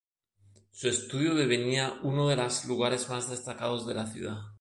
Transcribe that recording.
Su estudio devenía uno de las lugares más destacados de la ciudad.